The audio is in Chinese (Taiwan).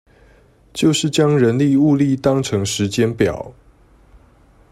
就是將人力物力當成時間表